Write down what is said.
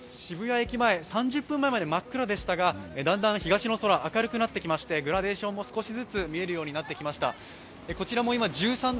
おはようございます、渋谷駅前３０分前までまっ暗でしたが、だんだん東の空、明るくなってきましてグラデーションも少しずつ見えるようになってきました。